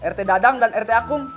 rt dadang dan rt akung